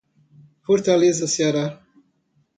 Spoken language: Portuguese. Fortaleza, Ceará.